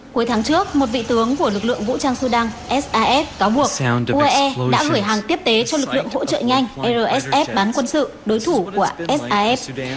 cuối tháng trước một vị tướng của lực lượng vũ trang sudan saf cáo buộc uae đã gửi hàng tiếp tế cho lực lượng hỗ trợ nhanh rsf bán quân sự đối thủ của saf